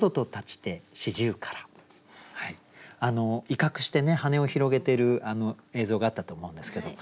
威嚇してね羽を広げてる映像があったと思うんですけど